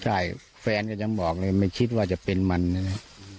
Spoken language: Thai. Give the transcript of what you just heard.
ใช่แฟนก็ยังบอกเลยไม่คิดว่าจะเป็นมันนะครับ